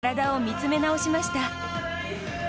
自分の体を見つめ直しました。